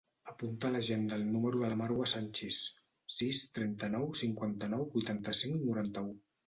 Apunta a l'agenda el número de la Marwa Sanchis: sis, trenta-nou, cinquanta-nou, vuitanta-cinc, noranta-u.